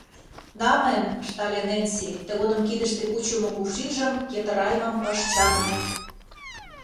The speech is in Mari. — Да, мэм, — ыштале Ненси, тыгодым кидыште кучымо кувшинжым йытырайымым ыш чарне.